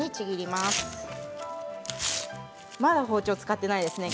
まだ包丁を使っていないですね